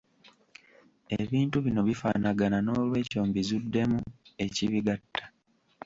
Ebintu bino bifanagana noolwekyo mbizuddemu, ekibigatta.